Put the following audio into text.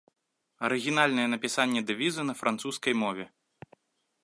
Арыгінальнае напісанне дэвізу на французскай мове.